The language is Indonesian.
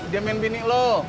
dia main binik lu